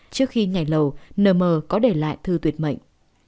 trước khi nhảy lầu n m có để lại thư tuyệt mệnh